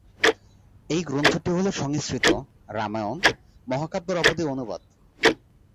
এই গ্রন্থটি হল সংস্কৃত "রামায়ণ" মহাকাব্যের অবধি অনুবাদ।